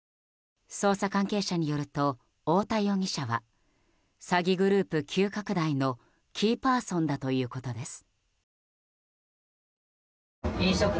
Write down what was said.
捜査関係者によると太田容疑者は詐欺グループ急拡大のキーパーソンだということです。